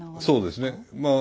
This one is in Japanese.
そうですね。